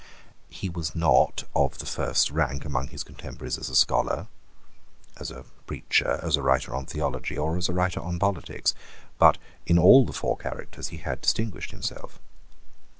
He was not of the first rank among his contemporaries as a scholar, as a preacher, as a writer on theology, or as a writer on politics: but in all the four characters he had distinguished himself.